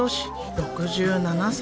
６７歳。